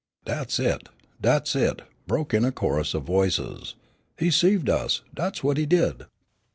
"Dat's it, dat's it," broke in a chorus of voices. "He 'ceived us, dat's what he did."